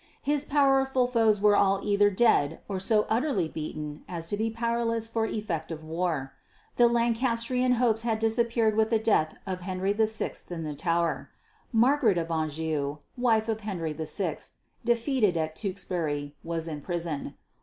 His powerful foes were all either dead or so utterly beaten as to be powerless for effective war. The Lancastrian hopes had disappeared with the death of Henry VI in the Tower. Margaret of Anjou (wife of Henry VI) defeated at Tewkesbury, was in prison.